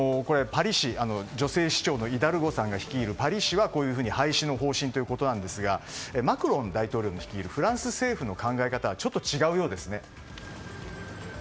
女性市長のイダルゴさんが率いるパリ市は廃止の方針ということなんですがマクロン大統領が率いるフランス政府の考え方はちょっと違うようですね。